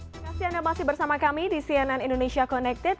terima kasih anda masih bersama kami di cnn indonesia connected